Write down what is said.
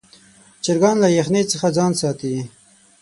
چرګان له یخنۍ څخه ځان ساتي.